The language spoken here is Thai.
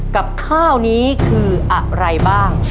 กับข้าวนี้คืออะไรบ้าง